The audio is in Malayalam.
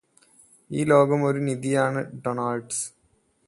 ഈ ലോകം ഒരു നിധിയാണ് ഡൊണാൾഡ്